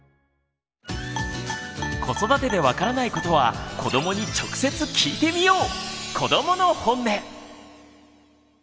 子育てで分からないことは子どもに直接聞いてみよう！